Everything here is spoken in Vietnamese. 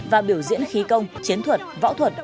và biểu diễn khí công chiến thuật võ thuật